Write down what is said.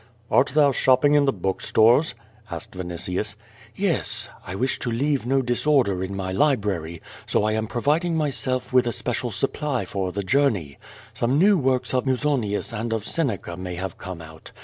^Art thou shopping in the book stores?" asked Vinitius. 'Yes. I wish to leave no disorder in my library, so I am providing myself with a special supply for the journey. Some new works of Musonius and of Seneca may have come out.